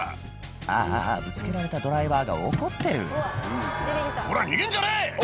あああぶつけられたドライバーが怒ってる「こら逃げんじゃねえ！」